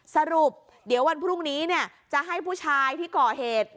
สรุปเดี๋ยววันพรุ่งนี้จะให้ผู้ชายที่ก่อเหตุ